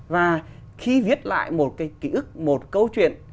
và khi viết lại một cái ký ức một câu chuyện